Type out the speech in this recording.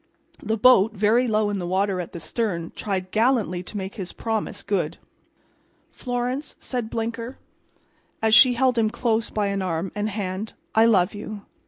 The boat, very low in the water at the stern, tried gallantly to make his promise good. "Florence," said Blinker, as she held him close by an arm and hand, "I love you."